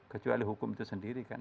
kecuali hukum itu sendiri kan